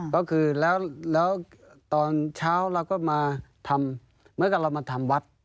ก็คือแล้วตอนเช้าเราก็มาทำเหมือนกับเรามาทำวัด